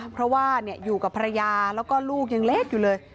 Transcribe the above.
เพราะว่าอยู่กับภรรยาแล้วก็ลูกยังเล็กอยู่เลย